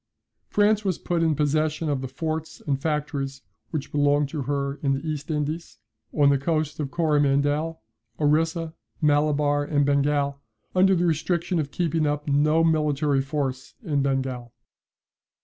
France was put in possession of the forts and factories which belonged to her in the East Indies, on the coasts of Coromandel, Orissa, Malabar, and Bengal under the restriction of keeping up no military force in Bengal.